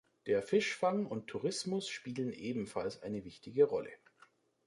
Der Fischfang und Tourismus spielen ebenfalls eine wichtige Rolle.